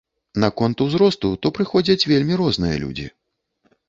Наконт узросту, то прыходзяць вельмі розныя людзі.